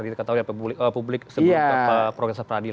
dikatakan oleh publik sebagai progresor peradilan